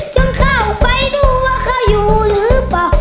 จนเข้าไปดูว่าเขาอยู่หรือเปล่า